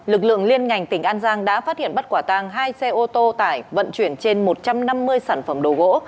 lực lượng liên ngành tỉnh an giang đã phát hiện bắt quả tàng hai xe ô tô tải vận chuyển trên một trăm năm mươi sản phẩm đồ gỗ